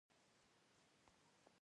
په ټولو اصولو پوهېږم.